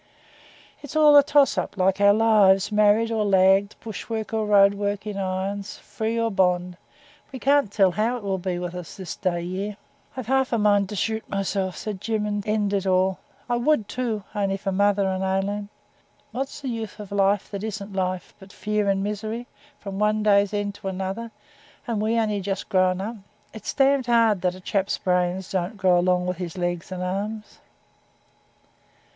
'It's all a toss up like our lives; married or lagged, bushwork or roadwork (in irons), free or bond. We can't tell how it will be with us this day year.' 'I've half a mind to shoot myself,' says Jim, 'and end it all. I would, too, only for mother and Aileen. What's the use of life that isn't life, but fear and misery, from one day's end to another, and we only just grown up? It's d d hard that a chap's brains don't grow along with his legs and arms.'